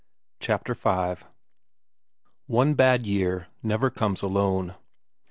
Chapter V One bad year never comes alone.